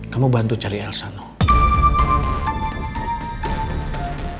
kamu bantu cari elsa noh kamu bantu cari elsa noh